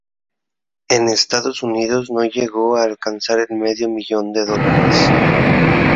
En Estados Unidos no llegó a alcanzar el medio millón de dólares.